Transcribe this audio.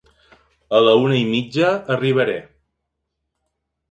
A la una i mitja arribaré.